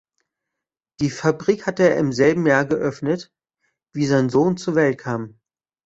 Die Fabrik hat er im selben Jahr geöffnet, wie sein Sohn zur Welt kam.